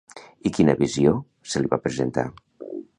I quina visió se li va presentar?